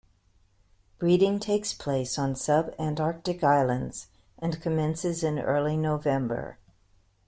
Breeding takes place on subantarctic islands and commences in early November.